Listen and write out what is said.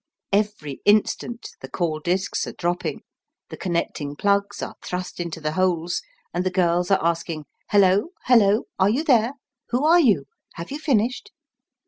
Every instant the call discs are dropping, the connecting plugs are thrust into the holes, and the girls are asking "Hullo! hullo!" "Are you there?" "Who are you?" "Have you finished?"